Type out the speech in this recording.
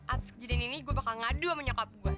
atas kejadian ini gue bakal ngadu sama nyokap gue